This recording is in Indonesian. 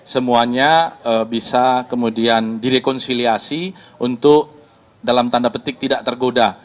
semuanya bisa kemudian direkonsiliasi untuk dalam tanda petik tidak tergoda